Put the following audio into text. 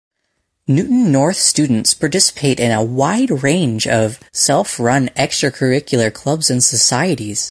Newton North students participate in a wide range of self-run extracurricular clubs and societies.